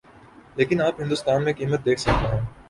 لیکن آپ ہندسوں میں قیمت دیکھ سکتے ہیں